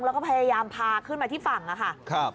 แล้วก็พยายามพาขึ้นมาเที่ยวนี้นะครับ